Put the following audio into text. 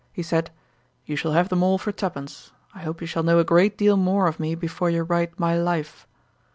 He said, 'You shall have them all for twopence. I hope you shall know a great deal more of me before you write my Life.'